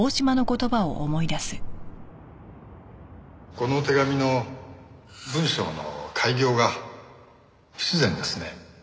この手紙の文章の改行が不自然ですね。